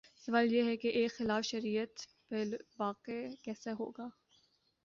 سوال یہ ہے کہ ایک خلاف شریعت فعل واقع کیسے ہوگا؟